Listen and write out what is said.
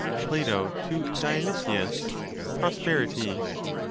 PLATO TO DIONYSIUS ~ PROSPERITY.